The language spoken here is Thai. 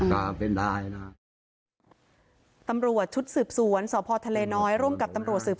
กรุงมา